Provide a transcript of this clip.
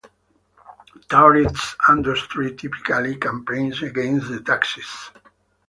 Tourist industry typically campaigns against the taxes.